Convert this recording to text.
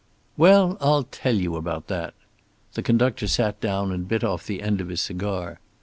"Well, I'll tell you about that." The conductor sat down and bit off the end of his cigar.